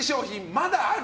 まだある？